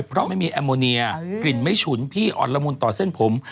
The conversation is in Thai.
เพราะไม่มีแอมโมเนียกลิ่นไม่ฉุนพี่อ่อนละมุนต่อเส้นผม